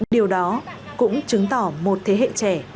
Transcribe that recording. điều đó cũng chứng tỏ một thế hệ trẻ